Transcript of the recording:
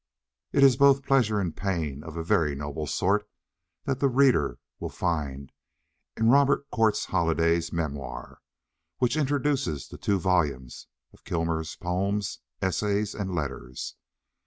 It is both pleasure and pain, of a very noble sort, that the reader will find in Robert Cortes Holliday's memoir, which introduces the two volumes of Kilmer's poems, essays, and letters.